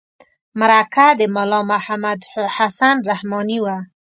مرکه د ملا محمد حسن رحماني وه.